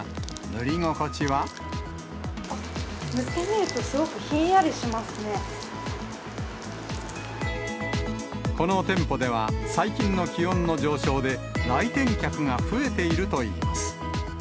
塗ってみるとすごくひんやりこの店舗では、最近の気温の上昇で、来店客が増えているといいます。